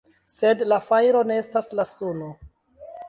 Sed la fajro ne estas la suno.